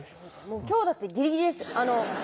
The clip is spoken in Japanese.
今日だってギリギリですよ